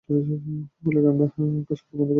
ফলে ক্যামেরা কাজ করা বন্ধ করে দেয়।